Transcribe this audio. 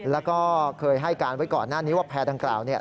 แล้วก็เคยให้การไว้ก่อนหน้านี้ว่าแพร่ดังกล่าวเนี่ย